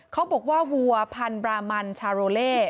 เขาบอกว่าวัวพันธุ์บรามันชาโรเล่